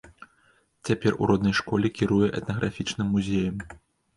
Цяпер у роднай школе кіруе этнаграфічным музеем.